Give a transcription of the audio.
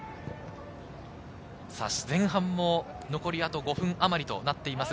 前半も残りあと５分あまりとなっています。